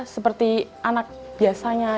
seperti anak biasanya